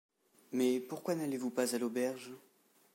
Mais pourquoi n’allez-vous pas à l’auberge?